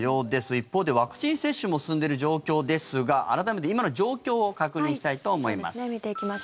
一方で、ワクチン接種も進んでいる状況ですが改めて、今の状況を確認したいと思います。